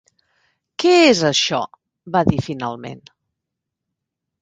"Què és això?", va dir finalment.